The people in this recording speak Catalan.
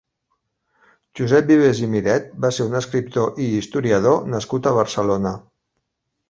Josep Vives i Miret va ser un escriptor i historiador nascut a Barcelona.